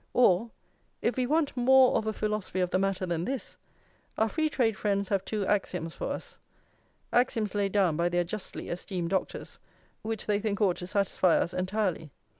Or, if we want more of a philosophy of the matter than this, our free trade friends have two axioms for us, axioms laid down by their justly esteemed doctors, which they think ought to satisfy us entirely.